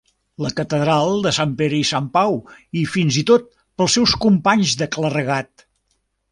La catedral de Sant Pere i Sant Pau, i fins i tot pels seus companys del clergat.